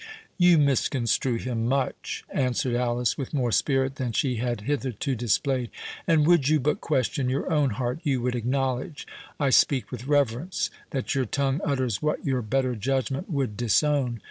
"You misconstrue him much," answered Alice, with more spirit than she had hitherto displayed; "and would you but question your own heart, you would acknowledge—I speak with reverence—that your tongue utters what your better judgment would disown.